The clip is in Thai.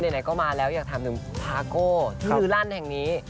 ไหนก็มาแล้วอยากถามถึงพาโก้คือรั่นแห่งนี้